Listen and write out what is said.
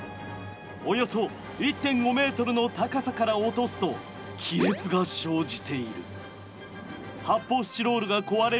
およそ１．５ｍの高さから落とすと亀裂が生じている。